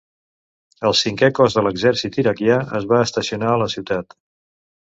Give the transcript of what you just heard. El cinquè cos de l'exèrcit iraquià es va estacionar a la ciutat.